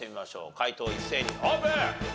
解答一斉にオープン！